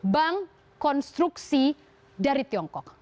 bank konstruksi dari tiongkok